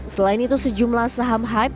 selain itu sejumlah saham hype